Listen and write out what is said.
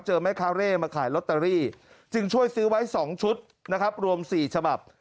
แม่คาเร่มาขายลอตเตอรี่จึงช่วยซื้อไว้๒ชุดนะครับรวม๔ฉบับ